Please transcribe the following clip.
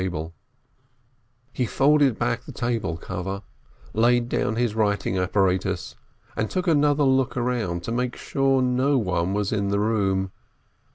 THE BAV AND THE EAV'S SON 439 He folded back the table cover, laid down his writing apparatus, and took another look around to make sure no one was in the room.